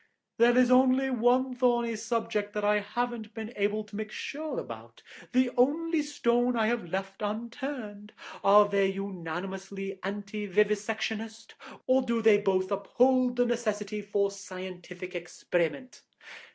There is only one thorny subject that I haven't been able to make sure about, the only stone that I have left unturned. Are they unanimously anti vivisectionist or do they both uphold the necessity for scientific experiment?